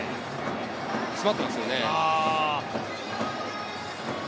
詰まっていますよね。